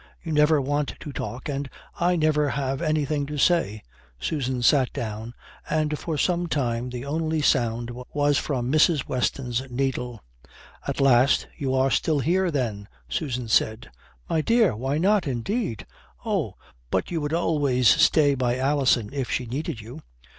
You never want to talk, and I never have anything to say." Susan sat down, and for some time the only sound was from Mrs. Weston's needle. At last, "You are still here, then," Susan said. "My dear! Why not, indeed?" "Oh. But you would always stay by Alison if she needed you."